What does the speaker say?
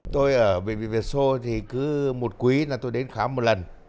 tôi ở bệnh viện việt xô thì cứ một quý là tôi đến khám một lần